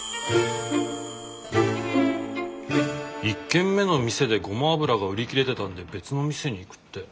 １軒目の店でゴマ油が売り切れてたんで別の店に行くって。